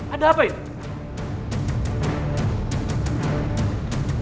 ada apa itu